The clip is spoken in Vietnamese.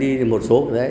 thì cái nhóm thỏa thải